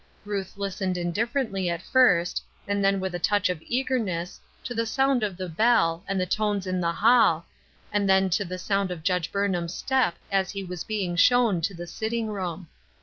Ruth listened indifferently at first, then with a touch of eagerness, to the sound of the bell, and the tones in the hall, and then to the sound of Judge Burnham's step as he was being shown to the sitting room.